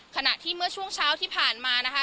ขณะที่เมื่อช่วงเช้าที่ผ่านมานะคะ